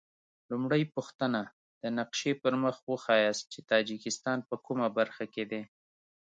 لومړۍ پوښتنه: د نقشې پر مخ وښایاست چې تاجکستان په کومه برخه کې دی؟